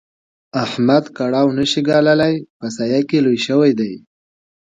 احمد کړاو نه شي ګاللای؛ په سايه کې لوی شوی دی.